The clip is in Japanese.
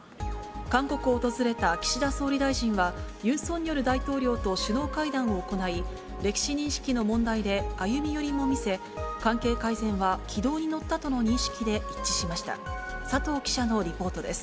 韓国を訪れた岸田総理大臣は、ユン・ソンニョル大統領と首脳会談を行い、歴史認識の問題で歩み寄りも見せ、関係改善は軌道に乗ったとの認識で一致しました。